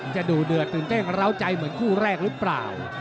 ดูเดือดตื่นเต้นร้าวใจเหมือนคู่แรกหรือเปล่า